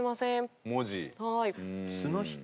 綱引き。